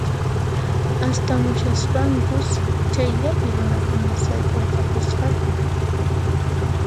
Astamushaspankus chayllapi runakuna sayk'urqapusqaku